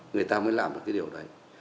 người ta mới làm được cái điều đấy